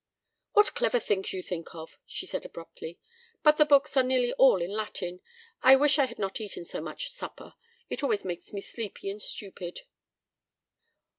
"What clever things you think of!" she said, abruptly. "But the books are nearly all in Latin. I wish I had not eaten so much supper. It always makes me sleepy and stupid."